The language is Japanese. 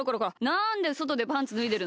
なんでそとでパンツぬいでるの！